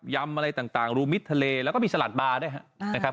ำอะไรต่างรูมิตรทะเลแล้วก็มีสลัดบาร์ด้วยนะครับ